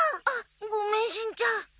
あっごめんしんちゃん。